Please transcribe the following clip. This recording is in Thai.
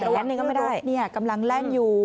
ตรงระหว่างรถกำลังแล่นอยู่